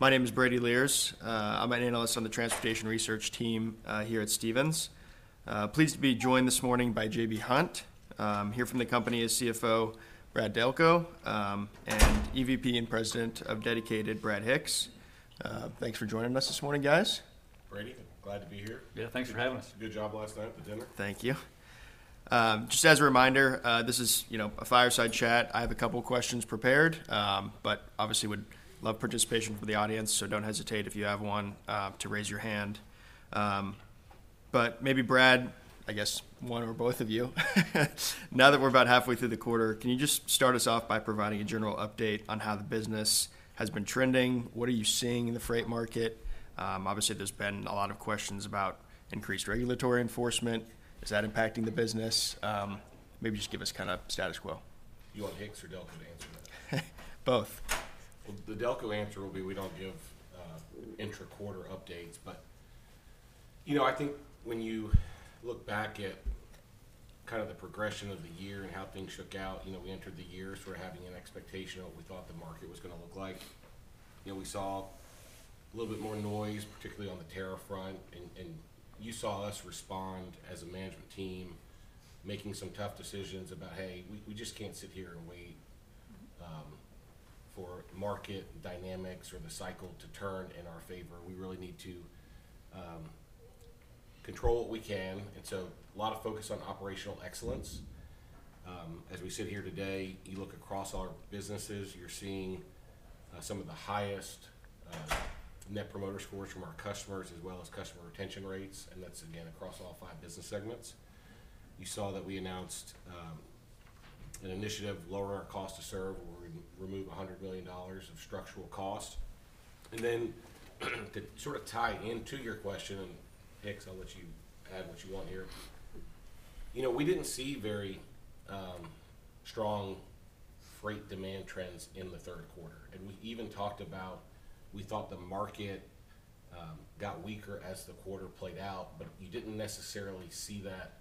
My name is Brady Lierz. I'm an analyst on the transportation research team here at Stephens. Pleased to be joined this morning by J.B. Hunt. Here from the company is CFO Brad Delco, and EVP and President of Dedicated, Brad Hicks. Thanks for joining us this morning, guys. Brady, glad to be here. Yeah, thanks for having us. Good job last night at the dinner. Thank you. Just as a reminder, this is a fireside chat. I have a couple of questions prepared, but obviously would love participation from the audience, so do not hesitate if you have one to raise your hand. Maybe Brad, I guess one or both of you. Now that we are about halfway through the quarter, can you just start us off by providing a general update on how the business has been trending? What are you seeing in the freight market? Obviously, there have been a lot of questions about increased regulatory enforcement. Is that impacting the business? Maybe just give us kind of status quo. You want Hicks or Delco to answer that? Both. The Delco answer will be we don't give intra-quarter updates. I think when you look back at kind of the progression of the year and how things shook out, we entered the year sort of having an expectation of what we thought the market was going to look like. We saw a little bit more noise, particularly on the tariff front. You saw us respond as a management team, making some tough decisions about, "Hey, we just can't sit here and wait for market dynamics or the cycle to turn in our favor. We really need to control what we can." A lot of focus on operational excellence. As we sit here today, you look across all our businesses, you're seeing some of the highest net promoter scores from our customers, as well as customer retention rates. That's, again, across all five business segments. You saw that we announced an initiative lowering our cost to serve, where we remove $100 million of structural cost. To sort of tie into your question, Hicks, I'll let you add what you want here. We did not see very strong freight demand trends in the third quarter. We even talked about we thought the market got weaker as the quarter played out, but you did not necessarily see that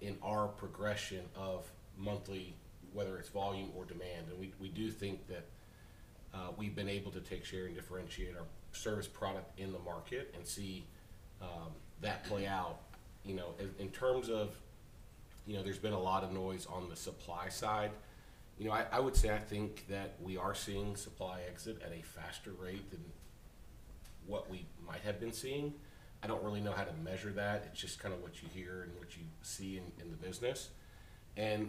in our progression of monthly, whether it is volume or demand. We do think that we have been able to take share and differentiate our service product in the market and see that play out. In terms of there has been a lot of noise on the supply side, I would say I think that we are seeing supply exit at a faster rate than what we might have been seeing. I do not really know how to measure that. It's just kind of what you hear and what you see in the business.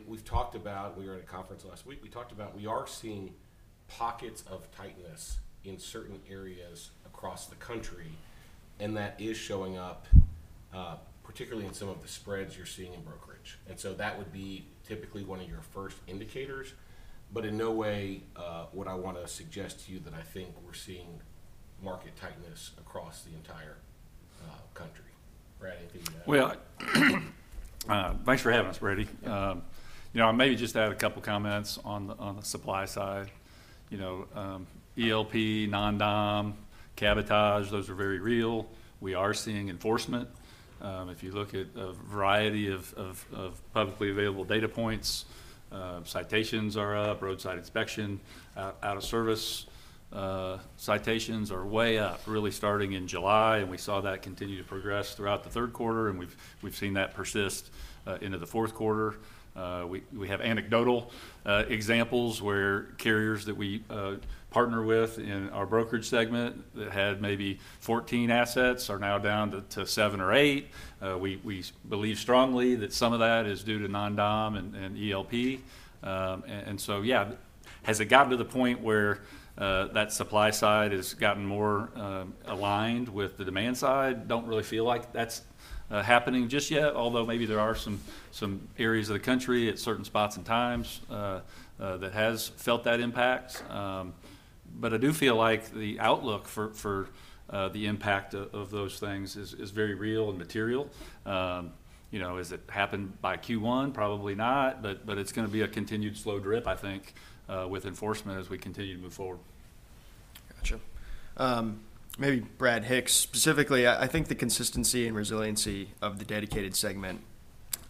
We talked about we were at a conference last week. We talked about we are seeing pockets of tightness in certain areas across the country, and that is showing up, particularly in some of the spreads you're seeing in brokerage. That would be typically one of your first indicators, but in no way would I want to suggest to you that I think we're seeing market tightness across the entire country. Brad, anything to add? Thanks for having us, Brady. I maybe just add a couple of comments on the supply side. ELP, non-dom, cabotage, those are very real. We are seeing enforcement. If you look at a variety of publicly available data points, citations are up, roadside inspection, out-of-service citations are way up, really starting in July. We saw that continue to progress throughout the third quarter, and we've seen that persist into the fourth quarter. We have anecdotal examples where carriers that we partner with in our brokerage segment that had maybe 14 assets are now down to seven or eight. We believe strongly that some of that is due to non-dom and ELP. Has it gotten to the point where that supply side has gotten more aligned with the demand side? Don't really feel like that's happening just yet, although maybe there are some areas of the country at certain spots and times that have felt that impact. I do feel like the outlook for the impact of those things is very real and material. Has it happened by Q1? Probably not, but it's going to be a continued slow drip, I think, with enforcement as we continue to move forward. Gotcha. Maybe Brad Hicks specifically. I think the consistency and resiliency of the Dedicated segment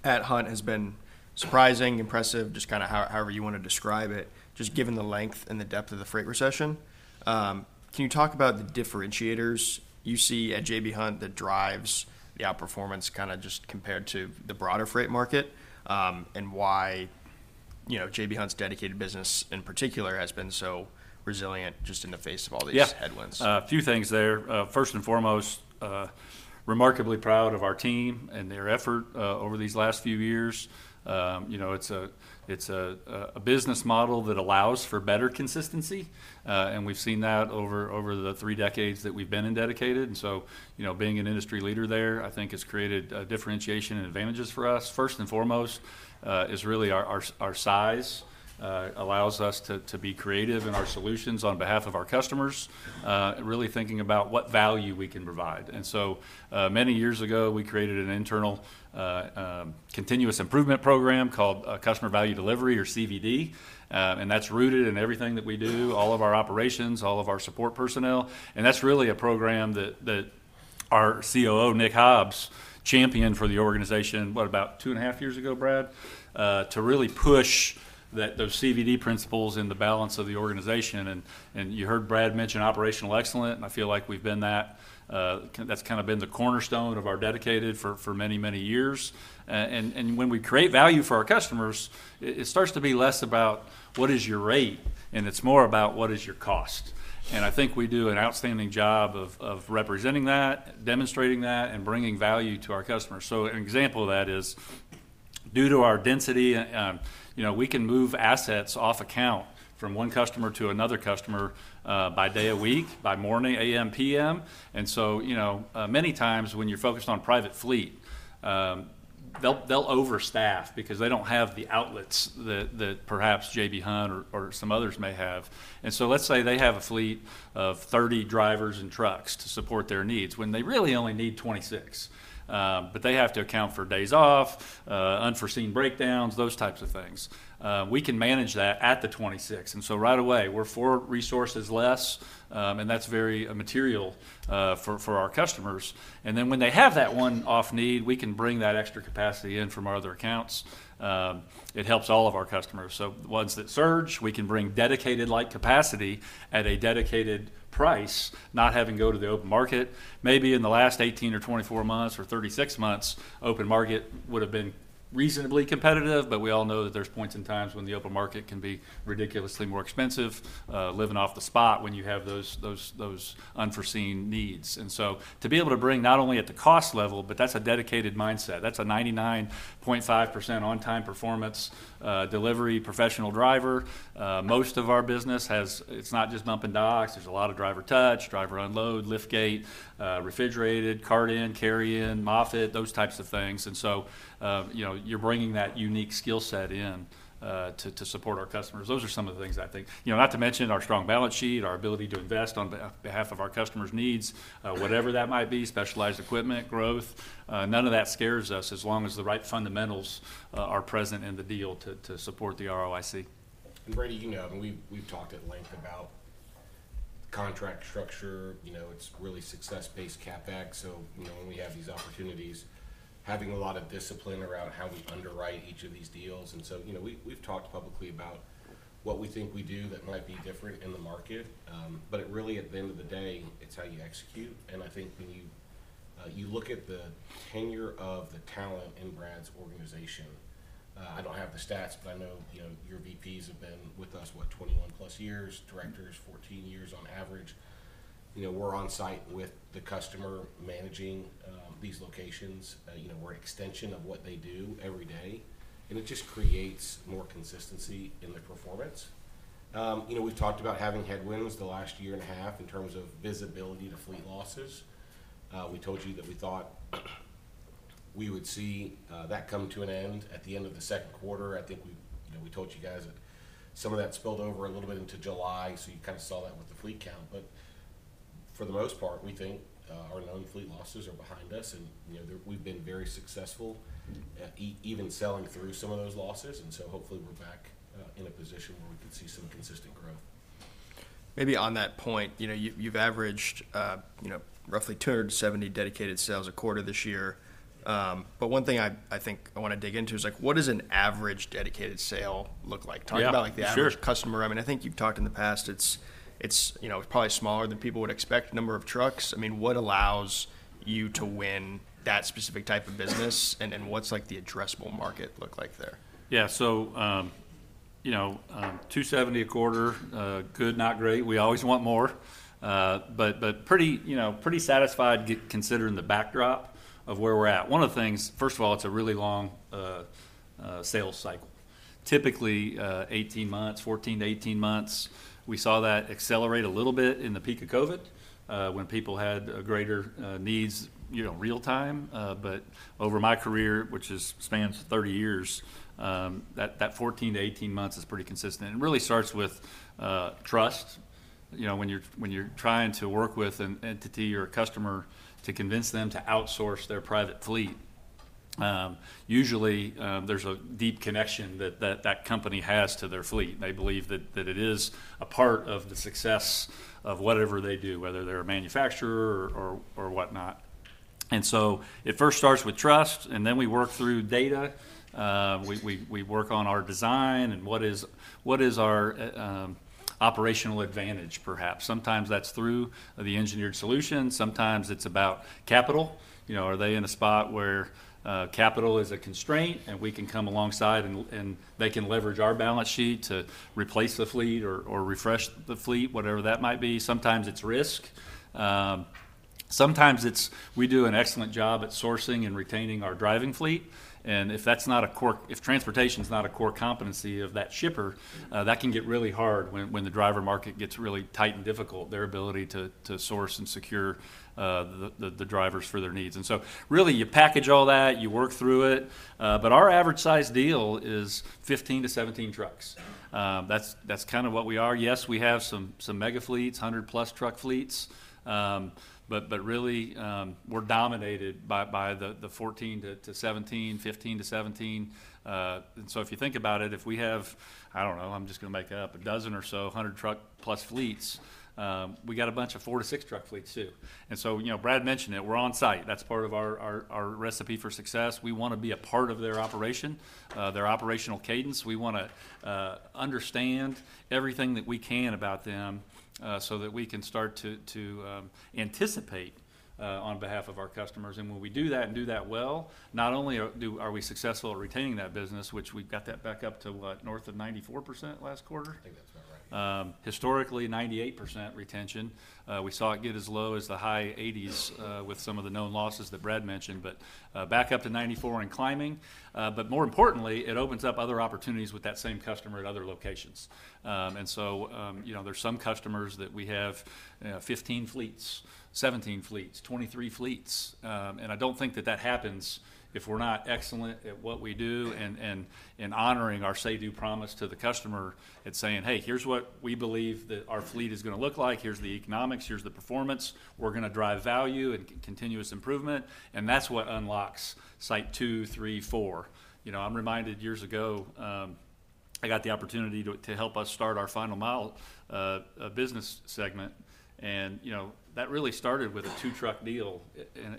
at Hunt has been surprising, impressive, just kind of however you want to describe it, just given the length and the depth of the freight recession. Can you talk about the differentiators you see at J.B. Hunt that drives the outperformance kind of just compared to the broader freight market, and why J.B. Hunt's Dedicated business in particular has been so resilient just in the face of all these headwinds? Yeah, a few things there. First and foremost, remarkably proud of our team and their effort over these last few years. It's a business model that allows for better consistency, and we've seen that over the three decades that we've been in Dedicated. Being an industry leader there, I think, has created differentiation and advantages for us. First and foremost is really our size allows us to be creative in our solutions on behalf of our customers, really thinking about what value we can provide. Many years ago, we created an internal continuous improvement program called Customer Value Delivery, or CVD, and that's rooted in everything that we do, all of our operations, all of our support personnel. That's really a program that our COO, Nick Hobbs, championed for the organization, what, about two and a half years ago, Brad? To really push those CVD principles in the balance of the organization. You heard Brad mention operational excellence, and I feel like we've been that. That's kind of been the cornerstone of our Dedicated for many, many years. When we create value for our customers, it starts to be less about what is your rate, and it's more about what is your cost. I think we do an outstanding job of representing that, demonstrating that, and bringing value to our customers. An example of that is, due to our density, we can move assets off account from one customer to another customer by day or week, by morning, A.M., P.M. Many times when you're focused on private fleet, they'll overstaff because they don't have the outlets that perhaps J.B. Hunt or some others may have. Let's say they have a fleet of 30 drivers and trucks to support their needs when they really only need 26, but they have to account for days off, unforeseen breakdowns, those types of things. We can manage that at the 26. Right away, we're four resources less, and that's very material for our customers. When they have that one-off need, we can bring that extra capacity in from our other accounts. It helps all of our customers. Once that surge, we can bring Dedicated-like capacity at a dedicated price, not having to go to the open market. Maybe in the last 18 months or 24 months or 36 months, open market would have been reasonably competitive, but we all know that there's points in times when the open market can be ridiculously more expensive, living off the spot when you have those unforeseen needs. To be able to bring not only at the cost level, but that's a Dedicated mindset. That's a 99.5% on-time performance delivery professional driver. Most of our business has, it's not just bump and docks. There's a lot of driver touch, driver unload, liftgate, refrigerated, cart in, carry in, Moffett, those types of things. You are bringing that unique skill set in to support our customers. Those are some of the things I think. Not to mention our strong balance sheet, our ability to invest on behalf of our customers' needs, whatever that might be, specialized equipment, growth. None of that scares us as long as the right fundamentals are present in the deal to support the ROIC. Brady, we've talked at length about contract structure. It's really success-based CapEx. When we have these opportunities, having a lot of discipline around how we underwrite each of these deals. We've talked publicly about what we think we do that might be different in the market. At the end of the day, it's how you execute. I think when you look at the tenure of the talent in Brad's organization, I don't have the stats, but I know your VPs have been with us, what, 21+ years, directors, 14 years on average. We're on site with the customer managing these locations. We're an extension of what they do every day. It just creates more consistency in the performance. We've talked about having headwinds the last year and a half in terms of visibility to fleet losses. We told you that we thought we would see that come to an end at the end of the second quarter. I think we told you guys that some of that spilled over a little bit into July, so you kind of saw that with the fleet count. For the most part, we think our known fleet losses are behind us, and we've been very successful even selling through some of those losses. Hopefully we're back in a position where we can see some consistent growth. Maybe on that point, you've averaged roughly 270 Dedicated sales a quarter this year. One thing I think I want to dig into is what does an average Dedicated sale look like? Talk about the average customer. I mean, I think you've talked in the past it's probably smaller than people would expect number of trucks. I mean, what allows you to win that specific type of business, and what's the addressable market look like there? Yeah, so 270 a quarter, good, not great. We always want more, but pretty satisfied considering the backdrop of where we're at. One of the things, first of all, it's a really long sales cycle, typically 18 months, 14-18 months. We saw that accelerate a little bit in the peak of COVID when people had greater needs real time. But over my career, which spans 30 years, that 14 months-18 months is pretty consistent. It really starts with trust. When you're trying to work with an entity or a customer to convince them to outsource their private fleet, usually there's a deep connection that that company has to their fleet. They believe that it is a part of the success of whatever they do, whether they're a manufacturer or whatnot. It first starts with trust, and then we work through data. We work on our design and what is our operational advantage, perhaps. Sometimes that's through the engineered solution. Sometimes it's about capital. Are they in a spot where capital is a constraint and we can come alongside and they can leverage our balance sheet to replace the fleet or refresh the fleet, whatever that might be? Sometimes it's risk. Sometimes we do an excellent job at sourcing and retaining our driving fleet. If transportation is not a core competency of that shipper, that can get really hard when the driver market gets really tight and difficult, their ability to source and secure the drivers for their needs. You package all that, you work through it. Our average size deal is 15-17 trucks. That's kind of what we are. Yes, we have some mega fleets, 100+ truck fleets, but really we're dominated by the 14-17, 15-17. If you think about it, if we have, I don't know, I'm just going to make up, a dozen or so 100-truck plus fleets, we got a bunch of 4-6 truck fleets too. Brad mentioned it, we're on site. That's part of our recipe for success. We want to be a part of their operation, their operational cadence. We want to understand everything that we can about them so that we can start to anticipate on behalf of our customers. When we do that and do that well, not only are we successful at retaining that business, which we've got that back up to what, north of 94% last quarter? I think that's about right. Historically, 98% retention. We saw it get as low as the high 80s with some of the known losses that Brad mentioned, but back up to 94% and climbing. More importantly, it opens up other opportunities with that same customer at other locations. There are some customers that we have 15 fleets, 17 fleets, 23 fleets. I do not think that happens if we are not excellent at what we do and honoring our say-do promise to the customer and saying, "Hey, here is what we believe that our fleet is going to look like. Here is the economics, here is the performance. We are going to drive value and continuous improvement." That is what unlocks site two, three, four. I am reminded years ago I got the opportunity to help us start our Final Mile business segment. That really started with a two-truck deal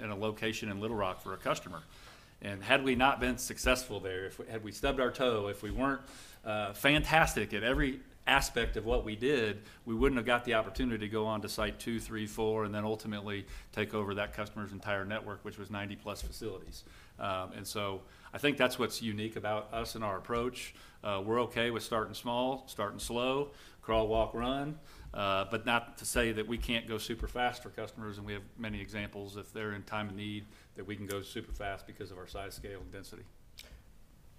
in a location in Little Rock for a customer. Had we not been successful there, had we stubbed our toe, if we were not fantastic at every aspect of what we did, we would not have got the opportunity to go on to site two, three, four, and then ultimately take over that customer's entire network, which was 90+ facilities. I think that is what is unique about us and our approach. We are okay with starting small, starting slow, crawl, walk, run. That is not to say that we cannot go super fast for customers, and we have many examples if they are in time of need that we can go super fast because of our size, scale, and density.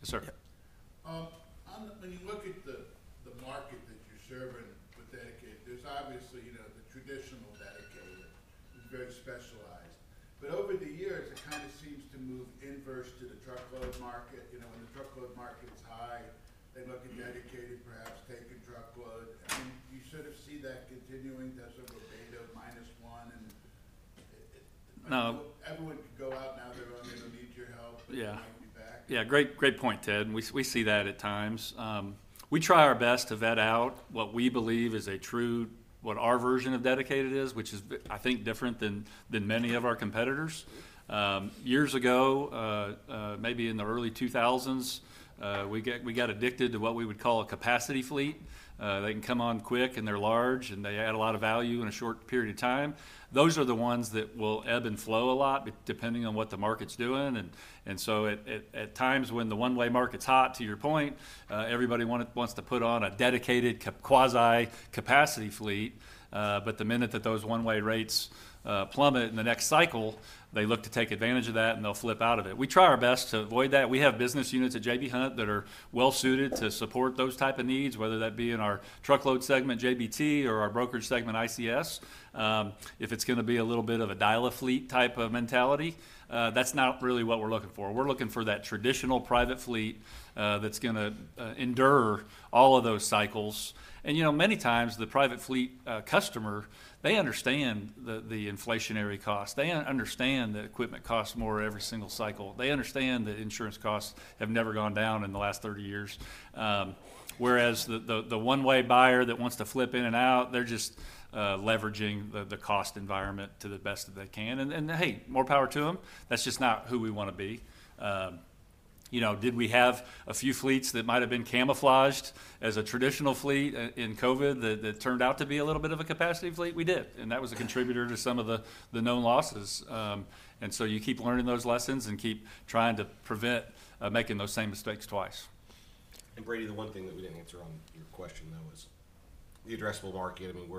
Yes, sir. When you look at the market that you're serving with Dedicated, there's obviously the traditional Dedicated is very specialized. But over the years, it kind of seems to move inverse to the truckload market. When the truckload market's high, they look at Dedicated, perhaps taking truckload. I mean, you sort of see that continuing. That's over beta of -1. No. Everyone can go out now. They're on their immediate help, but they might be back. Yeah, great point, Ted. We see that at times. We try our best to vet out what we believe is a true what our version of Dedicated is, which is, I think, different than many of our competitors. Years ago, maybe in the early 2000s, we got addicted to what we would call a capacity fleet. They can come on quick and they're large, and they add a lot of value in a short period of time. Those are the ones that will ebb and flow a lot depending on what the market's doing. At times when the one-way market's hot, to your point, everybody wants to put on a dedicated quasi-capacity fleet. The minute that those one-way rates plummet in the next cycle, they look to take advantage of that and they'll flip out of it. We try our best to avoid that. We have business units at J.B. Hunt that are well-suited to support those types of needs, whether that be in our truckload segment, JBT, or our brokerage segment, ICS. If it is going to be a little bit of a dial-a-fleet type of mentality, that is not really what we are looking for. We are looking for that traditional private fleet that is going to endure all of those cycles. Many times the private fleet customer, they understand the inflationary cost. They understand that equipment costs more every single cycle. They understand that insurance costs have never gone down in the last 30 years. Whereas the one-way buyer that wants to flip in and out, they are just leveraging the cost environment to the best that they can. Hey, more power to them. That is just not who we want to be. Did we have a few fleets that might have been camouflaged as a traditional fleet in COVID that turned out to be a little bit of a capacity fleet? We did. That was a contributor to some of the known losses. You keep learning those lessons and keep trying to prevent making those same mistakes twice. Brady, the one thing that we did not answer on your question, though, is the addressable market. I mean,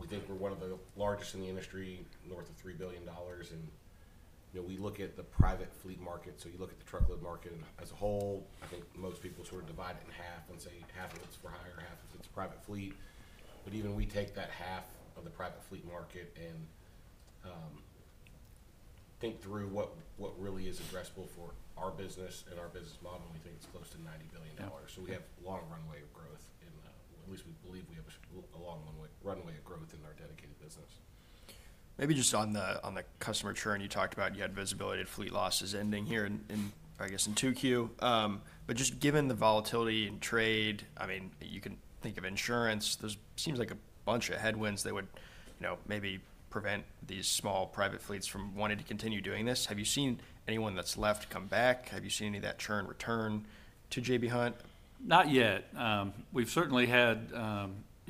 we think we are one of the largest in the industry, north of $3 billion. We look at the private fleet market. You look at the truckload market as a whole, I think most people sort of divide it in half and say half of it is for hire, half of it is private fleet. Even if we take that half of the private fleet market and think through what really is addressable for our business and our business model, we think it is close to $90 billion. We have a long runway of growth. At least we believe we have a long runway of growth in our Dedicated business. Maybe just on the customer churn, you talked about you had visibility to fleet losses ending here, I guess, in [2Q.] Just given the volatility in trade, I mean, you can think of insurance. There seems like a bunch of headwinds that would maybe prevent these small private fleets from wanting to continue doing this. Have you seen anyone that's left come back? Have you seen any of that churn return to J.B. Hunt? Not yet. We've certainly had,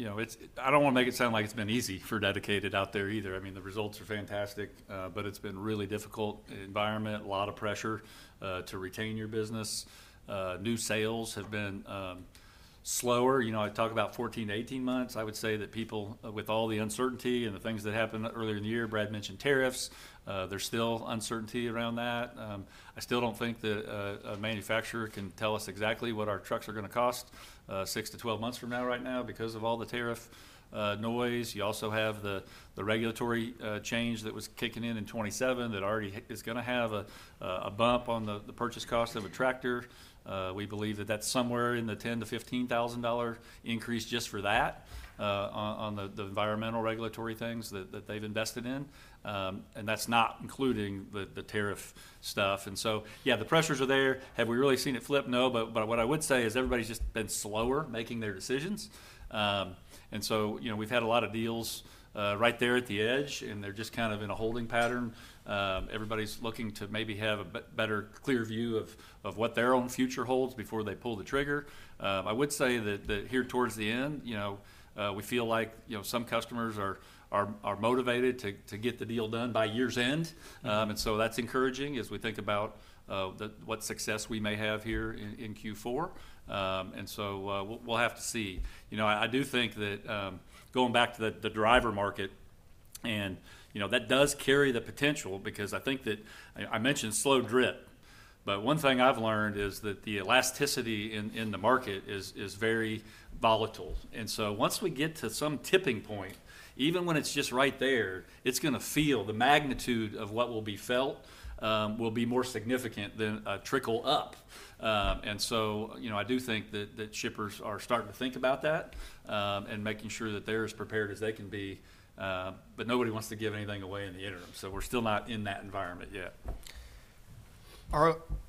I don't want to make it sound like it's been easy for Dedicated out there either. I mean, the results are fantastic, but it's been a really difficult environment, a lot of pressure to retain your business. New sales have been slower. I talk about 14 months-18 months. I would say that people, with all the uncertainty and the things that happened earlier in the year, Brad mentioned tariffs, there's still uncertainty around that. I still don't think that a manufacturer can tell us exactly what our trucks are going to cost 6 months-12 months from now right now because of all the tariff noise. You also have the regulatory change that was kicking in in 2027 that already is going to have a bump on the purchase cost of a tractor. We believe that that's somewhere in the $10,000-$15,000 increase just for that on the environmental regulatory things that they've invested in. That's not including the tariff stuff. Yeah, the pressures are there. Have we really seen it flip? No. What I would say is everybody's just been slower making their decisions. We've had a lot of deals right there at the edge, and they're just kind of in a holding pattern. Everybody's looking to maybe have a better clear view of what their own future holds before they pull the trigger. I would say that here towards the end, we feel like some customers are motivated to get the deal done by year's end. That's encouraging as we think about what success we may have here in Q4. We'll have to see. I do think that going back to the driver market, and that does carry the potential because I think that I mentioned slow drift. One thing I've learned is that the elasticity in the market is very volatile. Once we get to some tipping point, even when it's just right there, it's going to feel—the magnitude of what will be felt will be more significant than a trickle up. I do think that shippers are starting to think about that and making sure that they're as prepared as they can be. Nobody wants to give anything away in the interim. We're still not in that environment yet.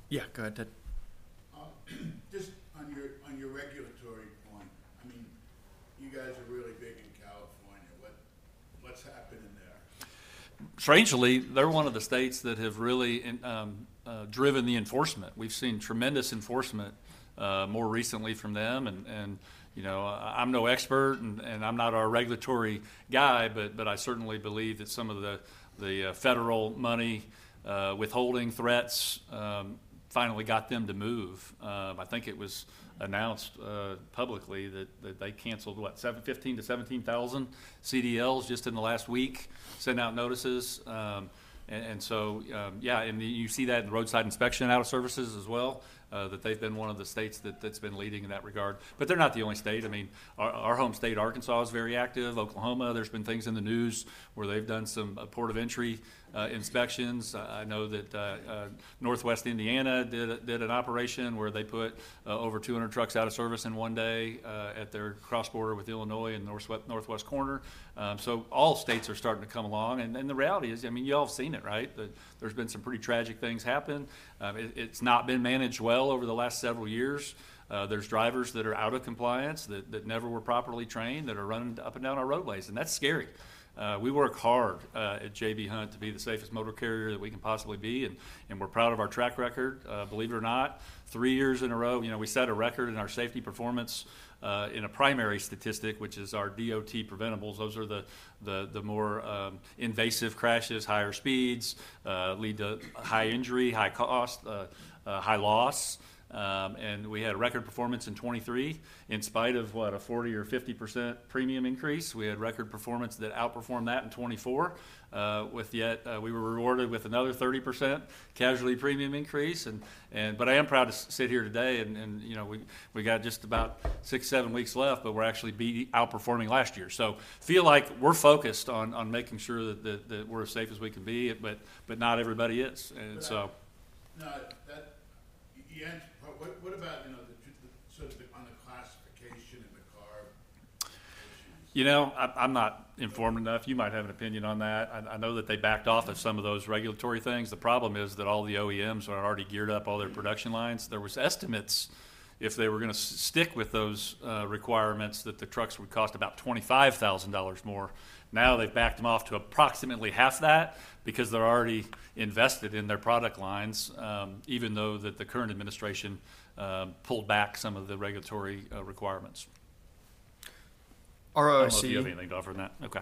Yeah, go ahead, Ted. Just on your regulatory point, I mean, you guys are really big in California. What's happening there? Strangely, they're one of the states that have really driven the enforcement. We've seen tremendous enforcement more recently from them. I'm no expert, and I'm not our regulatory guy, but I certainly believe that some of the federal money withholding threats finally got them to move. I think it was announced publicly that they canceled, what, 15,000-17,000 CDLs just in the last week, sent out notices. Yeah, and you see that in the roadside inspection out of services as well, that they've been one of the states that's been leading in that regard. They're not the only state. I mean, our home state, Arkansas, is very active. Oklahoma, there's been things in the news where they've done some port of entry inspections. I know that Northwest Indiana did an operation where they put over 200 trucks out of service in one day at their cross border with Illinois and northwest corner. All states are starting to come along. The reality is, I mean, you all have seen it, right? There have been some pretty tragic things happen. It has not been managed well over the last several years. There are drivers that are out of compliance that never were properly trained that are running up and down our roadways. That is scary. We work hard at J.B. Hunt to be the safest motor carrier that we can possibly be. We are proud of our track record. Believe it or not, three years in a row, we set a record in our safety performance in a primary statistic, which is our DOT preventables. Those are the more invasive crashes, higher speeds, lead to high injury, high cost, high loss. We had a record performance in 2023 in spite of, what, a 40% or 50% premium increase. We had record performance that outperformed that in 2024, yet we were rewarded with another 30% casualty premium increase. I am proud to sit here today. We have just about six or seven weeks left, but we're actually outperforming last year. I feel like we're focused on making sure that we're as safe as we can be, but not everybody is. What about sort of on the classification and the car issues? You know, I'm not informed enough. You might have an opinion on that. I know that they backed off of some of those regulatory things. The problem is that all the OEMs are already geared up all their production lines. There were estimates if they were going to stick with those requirements that the trucks would cost about $25,000 more. Now they've backed them off to approximately half that because they're already invested in their product lines, even though the current administration pulled back some of the regulatory requirements. R.O.I.C. I don't know if you have anything to offer on that. Okay.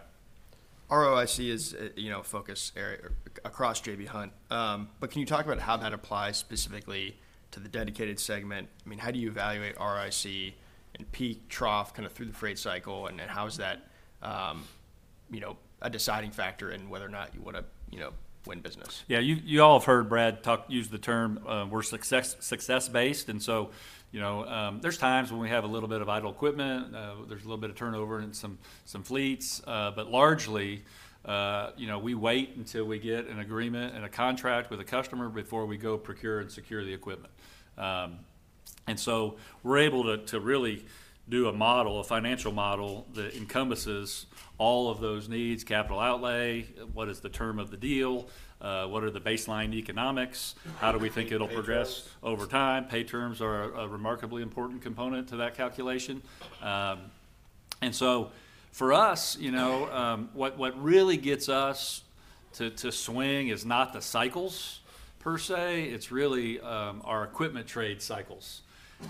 R.O.I.C. is a focus area across J.B. Hunt. Can you talk about how that applies specifically to the Dedicated segment? I mean, how do you evaluate R.O.I.C. in peak, trough, kind of through the freight cycle? How is that a deciding factor in whether or not you want to win business? Yeah, you all have heard Brad use the term we're success-based. There are times when we have a little bit of idle equipment, there's a little bit of turnover in some fleets. Largely, we wait until we get an agreement and a contract with a customer before we go procure and secure the equipment. We're able to really do a model, a financial model that encompasses all of those needs, capital outlay, what is the term of the deal, what are the baseline economics, how do we think it'll progress over time. Pay terms are a remarkably important component to that calculation. For us, what really gets us to swing is not the cycles per se. It's really our equipment trade cycles.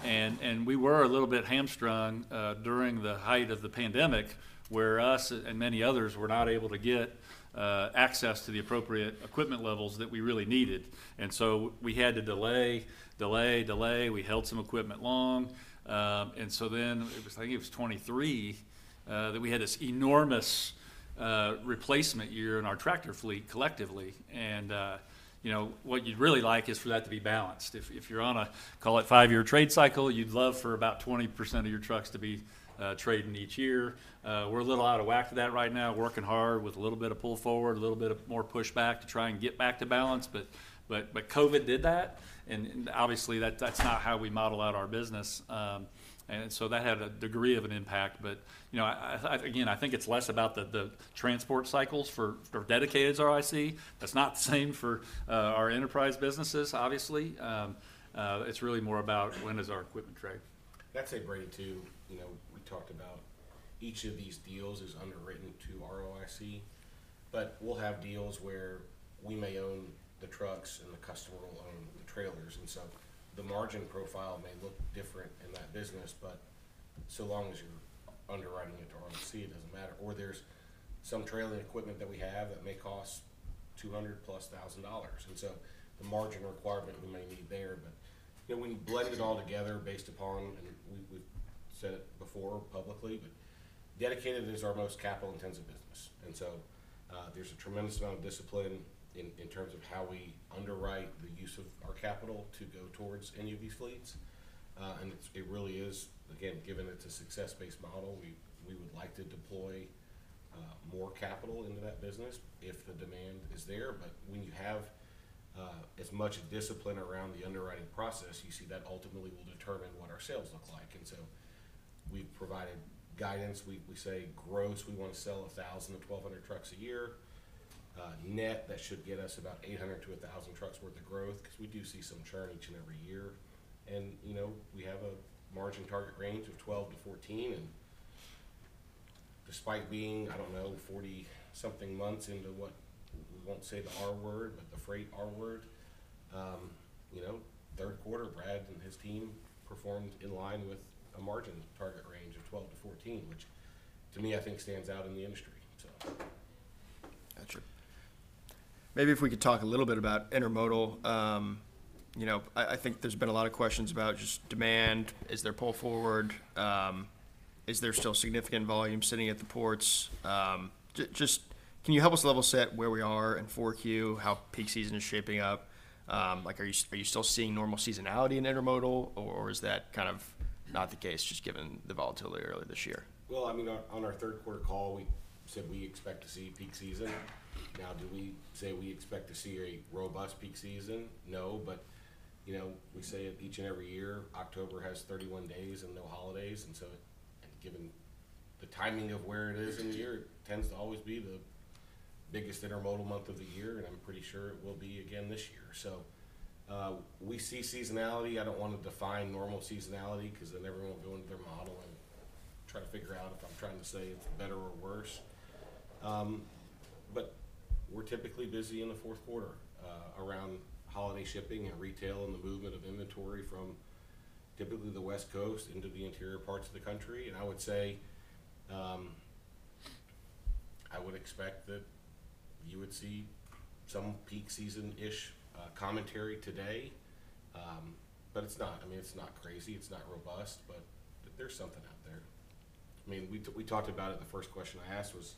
We were a little bit hamstrung during the height of the pandemic where us and many others were not able to get access to the appropriate equipment levels that we really needed. We had to delay, delay, delay. We held some equipment long. I think it was 2023 that we had this enormous replacement year in our tractor fleet collectively. What you'd really like is for that to be balanced. If you're on a, call it, five-year trade cycle, you'd love for about 20% of your trucks to be trading each year. We're a little out of whack for that right now, working hard with a little bit of pull forward, a little bit of more pushback to try and get back to balance. COVID did that. Obviously, that's not how we model out our business. That had a degree of an impact. Again, I think it's less about the transport cycles for Dedicated's ROIC. That's not the same for our enterprise businesses, obviously. It's really more about when is our equipment trade. That's a brand new we talked about. Each of these deals is underwritten to R.O.I.C. but we'll have deals where we may own the trucks and the customer will own the trailers. The margin profile may look different in that business, but so long as you're underwriting it to R.O.I.C., it doesn't matter. There is some trailing equipment that we have that may cost $200,000+. The margin requirement we may need there. When you blend it all together based upon, and we've said it before publicly, Dedicated is our most capital-intensive business. There is a tremendous amount of discipline in terms of how we underwrite the use of our capital to go towards any of these fleets. It really is, again, given it's a success-based model, we would like to deploy more capital into that business if the demand is there. When you have as much discipline around the underwriting process, you see that ultimately will determine what our sales look like. We have provided guidance. We say gross, we want to sell 1,000-1,200 trucks a year. Net, that should get us about 800-1,000 trucks worth of growth because we do see some churn each and every year. We have a margin target range of 12%-14%. Despite being, I do not know, 40-something months into what we will not say the R-word, but the freight R-word, third quarter, Brad and his team performed in line with a margin target range of 12%-14%, which to me, I think stands out in the industry. Gotcha. Maybe if we could talk a little bit about intermodal. I think there's been a lot of questions about just demand. Is there pull forward? Is there still significant volume sitting at the ports? Just can you help us level set where we are in Q4, how peak season is shaping up? Are you still seeing normal seasonality in intermodal, or is that kind of not the case just given the volatility earlier this year? On our third quarter call, we said we expect to see peak season. Now, do we say we expect to see a robust peak season? No. But we say it each and every year. October has 31 days and no holidays. Given the timing of where it is in the year, it tends to always be the biggest intermodal month of the year. I'm pretty sure it will be again this year. We see seasonality. I don't want to define normal seasonality because then everyone will go into their model and try to figure out if I'm trying to say it's better or worse. We're typically busy in the fourth quarter around holiday shipping and retail and the movement of inventory from typically the West Coast into the interior parts of the country. I would say I would expect that you would see some peak season-ish commentary today. It is not crazy. It is not robust, but there is something out there. I mean, we talked about it. The first question I asked was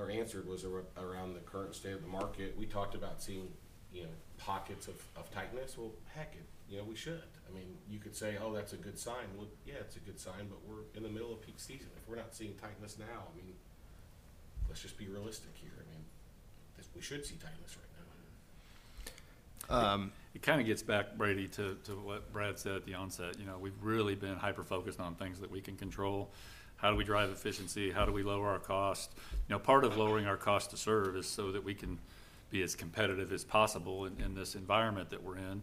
or answered was around the current state of the market. We talked about seeing pockets of tightness. Heck, we should. You could say, "Oh, that is a good sign." Yeah, it is a good sign, but we are in the middle of peak season. If we are not seeing tightness now, let us just be realistic here. We should see tightness right now. It kind of gets back, Brady, to what Brad said at the onset. We've really been hyper-focused on things that we can control. How do we drive efficiency? How do we lower our cost? Part of lowering our cost to serve is so that we can be as competitive as possible in this environment that we're in.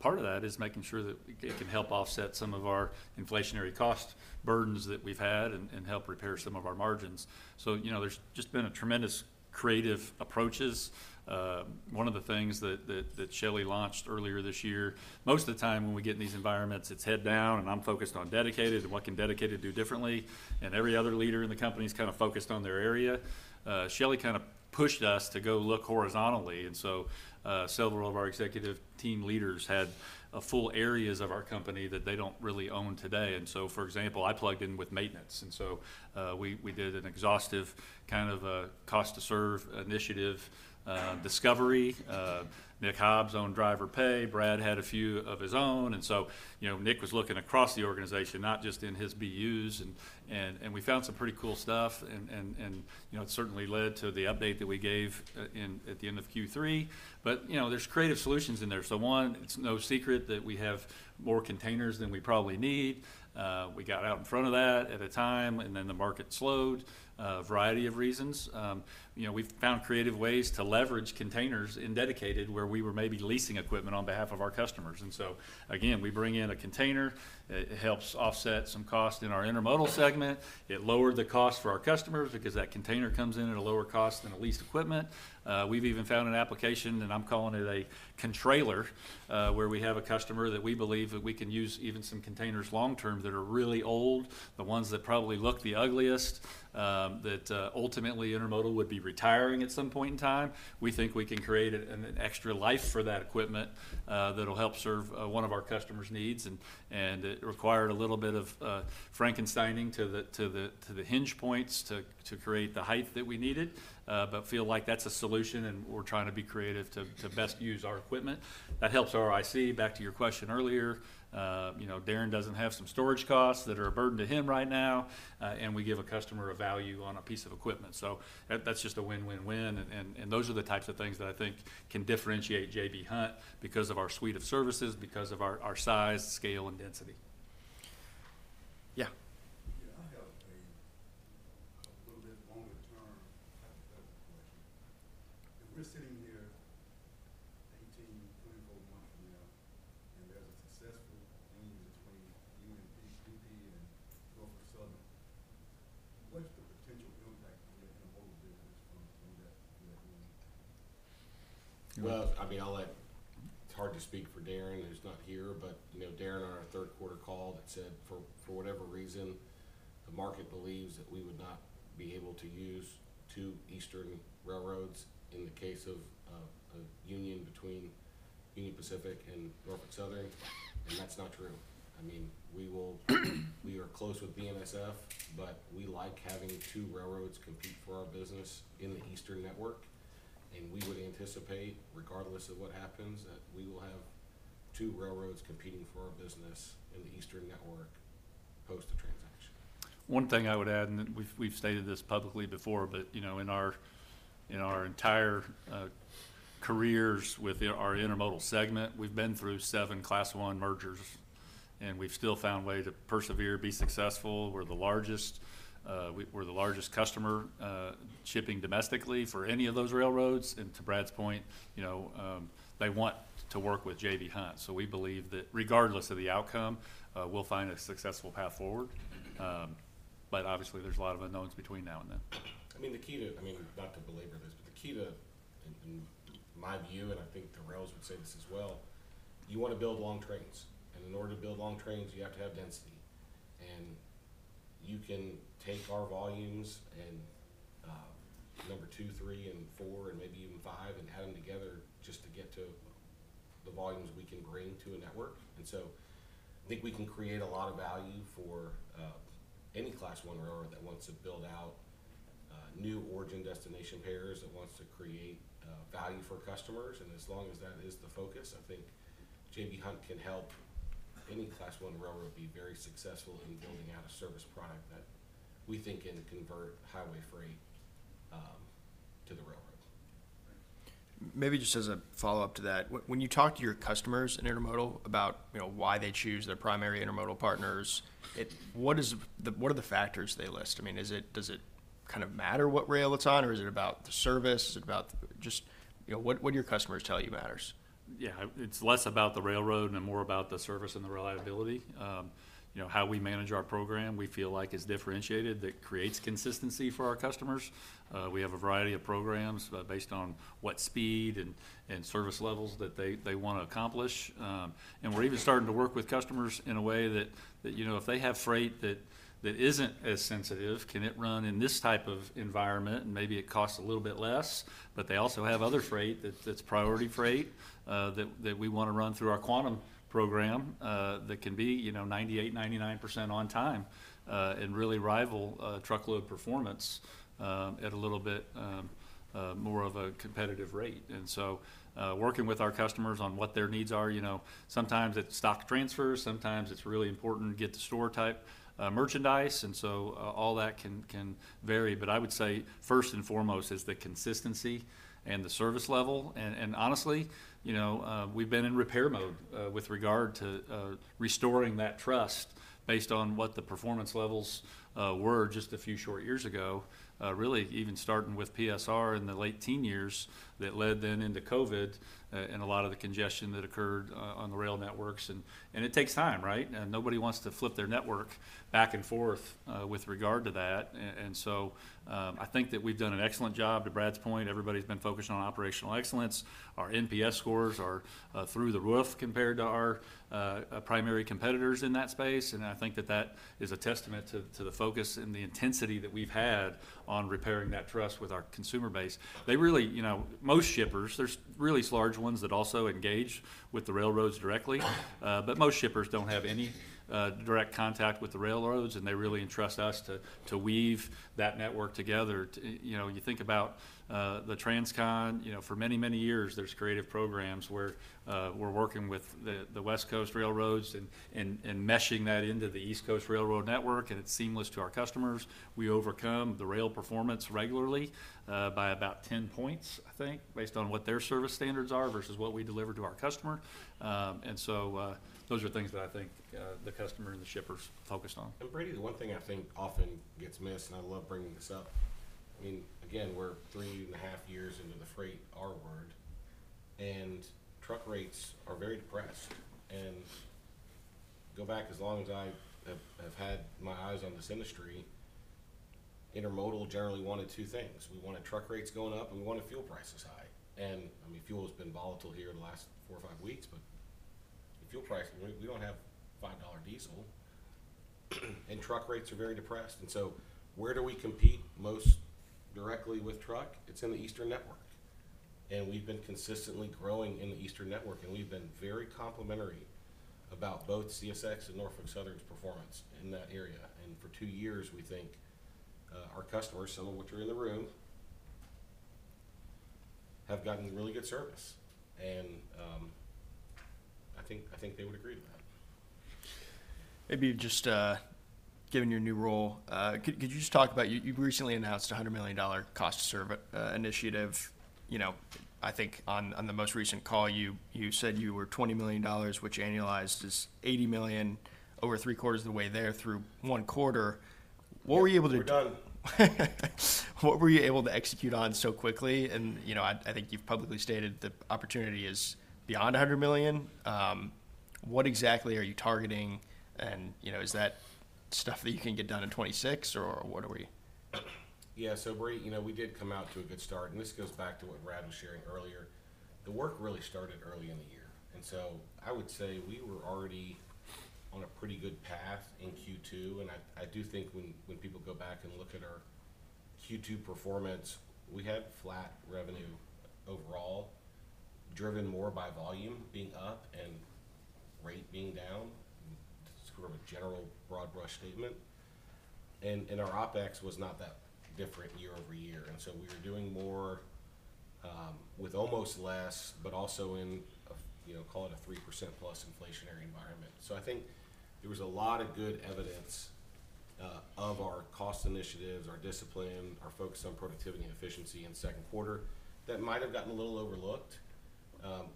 Part of that is making sure that it can help offset some of our inflationary cost burdens that we've had and help repair some of our margins. There have just been tremendous creative approaches. One of the things that Shelley launched earlier this year, most of the time when we get in these environments, it's head down, and I'm focused on Dedicated and what can Dedicated do differently. Every other leader in the company is kind of focused on their area. Shelley kind of pushed us to go look horizontally. Several of our executive team leaders had full areas of our company that they do not really own today. For example, I plugged in with maintenance. We did an exhaustive kind of cost to serve initiative discovery. Nick Hobbs owned Driver Pay. Brad had a few of his own. Nick was looking across the organization, not just in his BUs. We found some pretty cool stuff. It certainly led to the update that we gave at the end of Q3. There are creative solutions in there. One, it is no secret that we have more containers than we probably need. We got out in front of that at a time, and then the market slowed for a variety of reasons. We have found creative ways to leverage containers in Dedicated where we were maybe leasing equipment on behalf of our customers. Again, we bring in a container. It helps offset some cost in our intermodal segment. It lowered the cost for our customers because that container comes in at a lower cost than a leased equipment. We've even found an application, and I'm calling it a contrailer, where we have a customer that we believe that we can use even some containers long-term that are really old, the ones that probably look the ugliest, that ultimately intermodal would be retiring at some point in time. We think we can create an extra life for that equipment that'll help serve one of our customers' needs. It required a little bit of Frankensteining to the hinge points to create the height that we needed, but feel like that's a solution, and we're trying to be creative to best use our equipment. That helps ROIC. Back to your question earlier, Darren doesn't have some storage costs that are a burden to him right now, and we give a customer a value on a piece of equipment. That is just a win-win-win. Those are the types of things that I think can differentiate J.B. Hunt because of our suite of services, because of our size, scale, and density. Yeah. Yeah. I have a little bit longer-term hypothetical question. If we're sitting here 18, 24 months from now, and there's a successful meeting between [Union Pacific, UP], and Gulf of Southern, what's the potential impact on the intermodal business from that meeting? I mean, I'll let, it's hard to speak for Darren who's not here, but Darren on our third quarter call said, for whatever reason, the market believes that we would not be able to use two eastern railroads in the case of a union between Union Pacific and Norfolk Southern. That's not true. I mean, we are close with BNSF, but we like having two railroads compete for our business in the eastern network. We would anticipate, regardless of what happens, that we will have two railroads competing for our business in the eastern network post-transaction. One thing I would add, and we've stated this publicly before, but in our entire careers with our intermodal segment, we've been through seven Class I mergers, and we've still found a way to persevere, be successful. We're the largest customer shipping domestically for any of those railroads. To Brad's point, they want to work with J.B. Hunt. We believe that regardless of the outcome, we'll find a successful path forward. Obviously, there's a lot of unknowns between now and then. I mean, the key to, I mean, not to belabor this, but the key to, in my view, and I think the rails would say this as well, you want to build long trains. In order to build long trains, you have to have density. You can take our volumes and number two, three, and four, and maybe even five, and add them together just to get to the volumes we can bring to a network. I think we can create a lot of value for any class one railroad that wants to build out new origin destination pairs that wants to create value for customers. As long as that is the focus, I think J.B. Hunt can help any class one railroad be very successful in building out a service product that we think can convert highway freight to the railroad. Maybe just as a follow-up to that, when you talk to your customers in intermodal about why they choose their primary intermodal partners, what are the factors they list? I mean, does it kind of matter what rail it's on, or is it about the service? Is it about just what do your customers tell you matters? Yeah. It's less about the railroad and more about the service and the reliability. How we manage our program, we feel like, is differentiated. That creates consistency for our customers. We have a variety of programs based on what speed and service levels that they want to accomplish. We're even starting to work with customers in a way that if they have freight that isn't as sensitive, can it run in this type of environment? Maybe it costs a little bit less, but they also have other freight that's priority freight that we want to run through our quantum program that can be 98%-99% on time and really rival truckload performance at a little bit more of a competitive rate. Working with our customers on what their needs are, sometimes it's stock transfers. Sometimes it's really important to get to store type merchandise. All that can vary. I would say first and foremost is the consistency and the service level. Honestly, we've been in repair mode with regard to restoring that trust based on what the performance levels were just a few short years ago, really even starting with PSR in the late teen years that led then into COVID and a lot of the congestion that occurred on the rail networks. It takes time, right? Nobody wants to flip their network back and forth with regard to that. I think that we've done an excellent job. To Brad's point, everybody's been focused on operational excellence. Our NPS scores are through the roof compared to our primary competitors in that space. I think that is a testament to the focus and the intensity that we've had on repairing that trust with our consumer base. Most shippers, there are really large ones that also engage with the railroads directly. Most shippers do not have any direct contact with the railroads, and they really entrust us to weave that network together. You think about the Transcon, for many, many years, there are creative programs where we're working with the West Coast railroads and meshing that into the East Coast railroad network, and it is seamless to our customers. We overcome the rail performance regularly by about 10 points, I think, based on what their service standards are versus what we deliver to our customer. Those are things that I think the customer and the shippers focus on. Brady, the one thing I think often gets missed, and I love bringing this up, I mean, again, we're three and a half years into the freight R-word, and truck rates are very depressed. Go back as long as I have had my eyes on this industry, intermodal generally wanted two things. We wanted truck rates going up, and we wanted fuel prices high. I mean, fuel has been volatile here the last four or five weeks, but fuel prices, we don't have $5 diesel, and truck rates are very depressed. Where do we compete most directly with truck? It's in the eastern network. We have been consistently growing in the eastern network, and we have been very complimentary about both CSX and Norfolk Southern's performance in that area. For two years, we think our customers, some of which are in the room, have gotten really good service. I think they would agree to that. Maybe just given your new role, could you just talk about you recently announced a $100 million cost to serve initiative. I think on the most recent call, you said you were $20 million, which annualized is $80 million, over three quarters of the way there through one quarter. What were you able to. We're done. What were you able to execute on so quickly? I think you've publicly stated the opportunity is beyond $100 million. What exactly are you targeting? Is that stuff that you can get done in 2026, or what are we? Yeah. Brady, we did come out to a good start. This goes back to what Brad was sharing earlier. The work really started early in the year. I would say we were already on a pretty good path in Q2. I do think when people go back and look at our Q2 performance, we had flat revenue overall, driven more by volume being up and rate being down, to sort of a general broad brush statement. Our ApEx was not that different year over year. We were doing more with almost less, but also in, call it a 3%+ inflationary environment. I think there was a lot of good evidence of our cost initiatives, our discipline, our focus on productivity and efficiency in second quarter that might have gotten a little overlooked.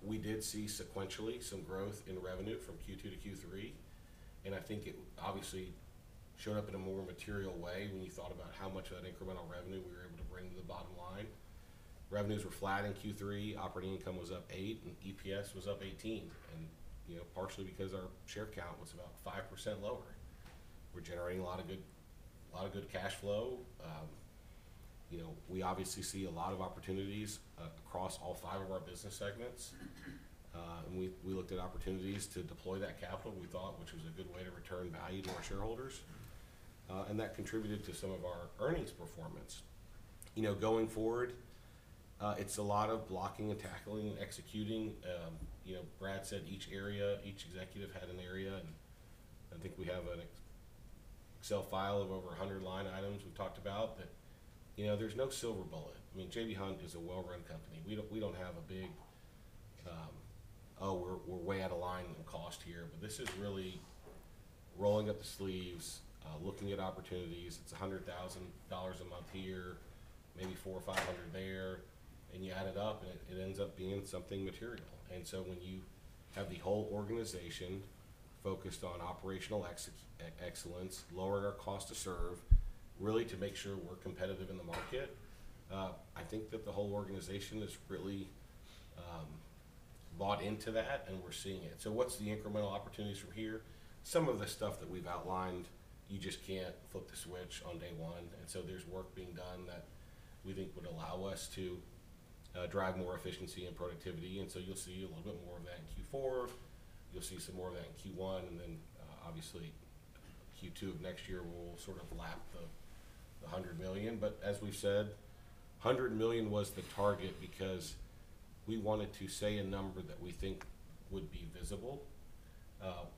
We did see sequentially some growth in revenue from Q2 to Q3. I think it obviously showed up in a more material way when you thought about how much of that incremental revenue we were able to bring to the bottom line. Revenues were flat in Q3. Operating income was up eight, and EPS was up 18, partially because our share count was about 5% lower. We're generating a lot of good cash flow. We obviously see a lot of opportunities across all five of our business segments. We looked at opportunities to deploy that capital, we thought, which was a good way to return value to our shareholders. That contributed to some of our earnings performance. Going forward, it's a lot of blocking and tackling and executing. Brad said each area, each executive had an area. I think we have an Excel file of over 100 line items we've talked about that there's no silver bullet. I mean, J.B. Hunt is a well-run company. We don't have a big, "Oh, we're way out of line in cost here." This is really rolling up the sleeves, looking at opportunities. It's $100,000 a month here, maybe 400 or 500 there. You add it up, and it ends up being something material. When you have the whole organization focused on operational excellence, lowering our cost to serve, really to make sure we're competitive in the market, I think that the whole organization is really bought into that, and we're seeing it. What's the incremental opportunities from here? Some of the stuff that we've outlined, you just can't flip the switch on day one. There is work being done that we think would allow us to drive more efficiency and productivity. You will see a little bit more of that in Q4. You will see some more of that in Q1. Obviously, Q2 of next year, we will sort of lap the $100 million. As we have said, $100 million was the target because we wanted to say a number that we think would be visible.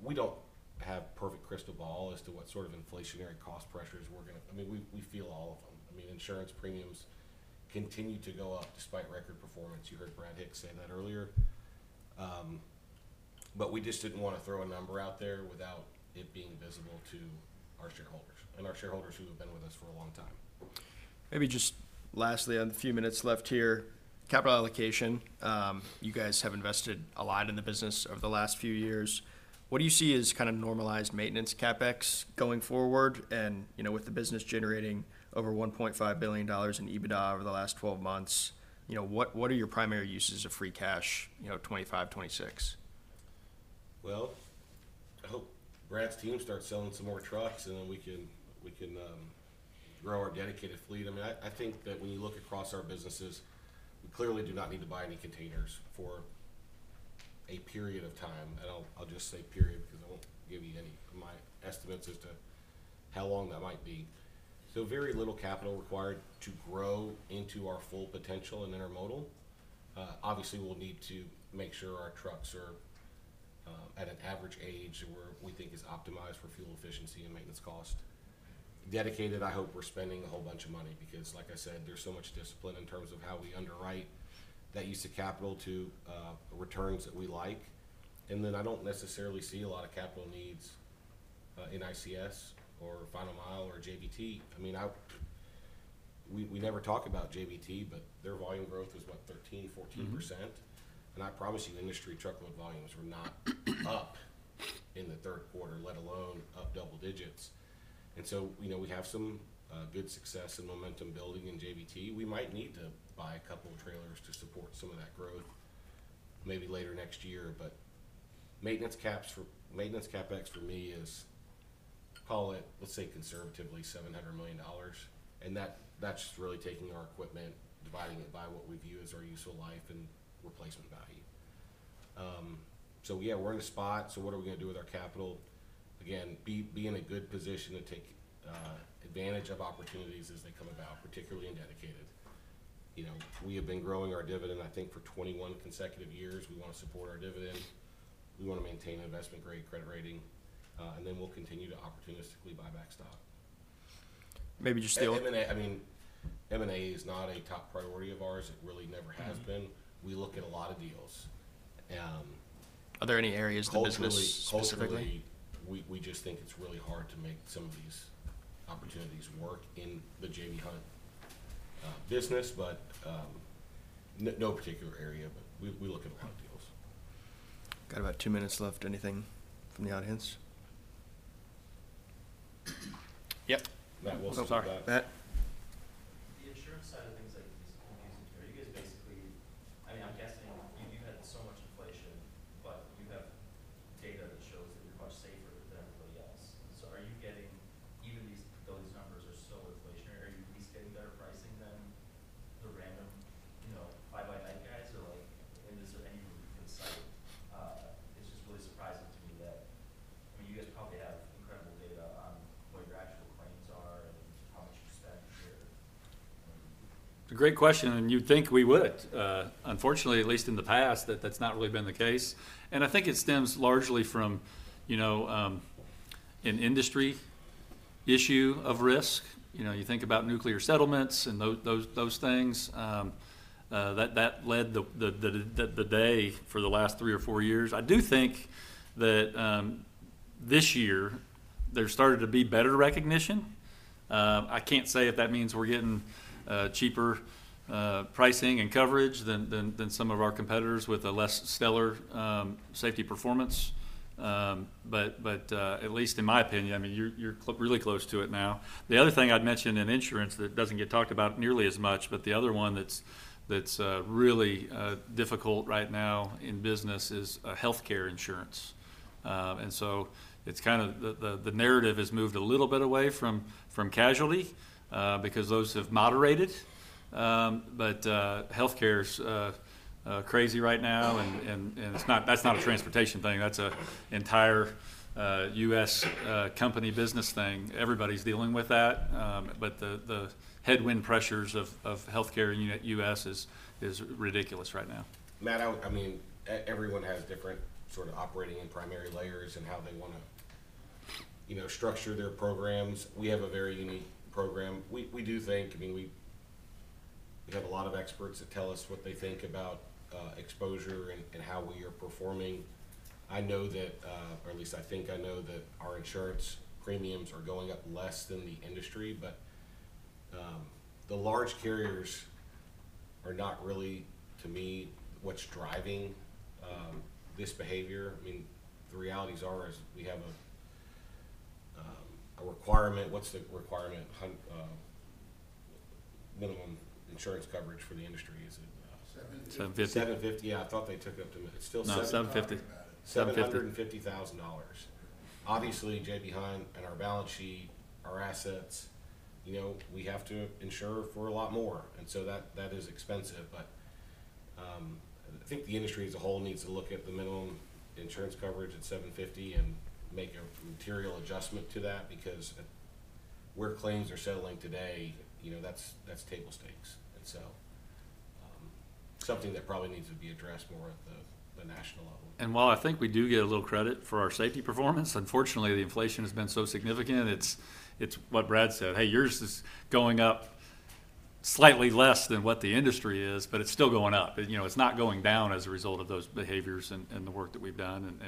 We do not have a perfect crystal ball as to what sort of inflationary cost pressures we are going to—I mean, we feel all of them. Insurance premiums continue to go up despite record performance. You heard Brad Hicks say that earlier. We just did not want to throw a number out there without it being visible to our shareholders and our shareholders who have been with us for a long time. Maybe just lastly, in the few minutes left here, capital allocation. You guys have invested a lot in the business over the last few years. What do you see as kind of normalized maintenance CapEx going forward? You know, with the business generating over $1.5 billion in EBITDA over the last 12 months, what are your primary uses of free cash 2025, 2026? I hope Brad's team starts selling some more trucks, and then we can grow our dedicated fleet. I mean, I think that when you look across our businesses, we clearly do not need to buy any containers for a period of time. I'll just say period because I won't give you any of my estimates as to how long that might be. Very little capital required to grow into our full potential in intermodal. Obviously, we'll need to make sure our trucks are at an average age where we think is optimized for fuel efficiency and maintenance cost. Dedicated, I hope we're spending a whole bunch of money because, like I said, there's so much discipline in terms of how we underwrite that use of capital to returns that we like. I do not necessarily see a lot of capital needs in ICS or Final Mile or JBT. I mean, we never talk about JBT, but their volume growth was, what, 13%-14%? I promise you, industry truckload volumes were not up in the third quarter, let alone up double digits. We have some good success and momentum building in JBT. We might need to buy a couple of trailers to support some of that growth maybe later next year. Maintenance CapEx for me is, call it, let's say conservatively, $700 million. That is really taking our equipment, dividing it by what we view as our useful life and replacement value. Yeah, we are in a spot. What are we going to do with our capital? Again, be in a good position to take advantage of opportunities as they come about, particularly in dedicated. We have been growing our dividend, I think, for 21 consecutive years. We want to support our dividend. We want to maintain investment-grade credit rating. We will continue to opportunistically buy back stock. Maybe just the old. I mean, M&A is not a top priority of ours. It really never has been. We look at a lot of deals. Are there any areas that the business is specifically? Holding is specifically. great question. You'd think we would. Unfortunately, at least in the past, that's not really been the case. I think it stems largely from an industry issue of risk. You think about nuclear settlements and those things. That led the day for the last three or four years. I do think that this year, there started to be better recognition. I can't say if that means we're getting cheaper pricing and coverage than some of our competitors with a less stellar safety performance. At least in my opinion, I mean, you're really close to it now. The other thing I'd mention in insurance that doesn't get talked about nearly as much, but the other one that's really difficult right now in business is healthcare insurance. It's kind of the narrative has moved a little bit away from casualty because those have moderated. Healthcare is crazy right now. And that's not a transportation thing. That's an entire U.S. company business thing. Everybody's dealing with that. But the headwind pressures of healthcare in the U.S. is ridiculous right now. I mean, everyone has different sort of operating and primary layers and how they want to structure their programs. We have a very unique program. We do think, I mean, we have a lot of experts that tell us what they think about exposure and how we are performing. I know that, or at least I think I know that our insurance premiums are going up less than the industry. The large carriers are not really, to me, what's driving this behavior. I mean, the realities are as we have a requirement. What's the requirement? Minimum insurance coverage for the industry, is it? $750,000. $750,000. Yeah. I thought they took it up to—it's still 750. No, $750,000. $750,000. Obviously, J.B. Hunt and our balance sheet, our assets, we have to insure for a lot more. That is expensive. I think the industry as a whole needs to look at the minimum insurance coverage at $750,000 and make a material adjustment to that because where claims are settling today, that's table stakes. That is something that probably needs to be addressed more at the national level. While I think we do get a little credit for our safety performance, unfortunately, the inflation has been so significant. It's what Brad said. Hey, yours is going up slightly less than what the industry is, but it's still going up. It's not going down as a result of those behaviors and the work that we've done.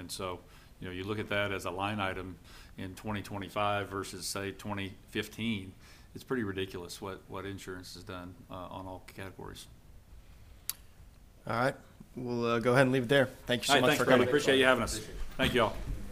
You look at that as a line item in 2025 versus, say, 2015. It's pretty ridiculous what insurance has done on all categories. All right. We'll go ahead and leave it there. Thank you so much for coming. Thank you. I appreciate you having us. Thank you all. Brandon, good job.